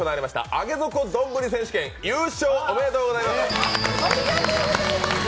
上げ底どんぶり選手権、優勝、おめでとうございます！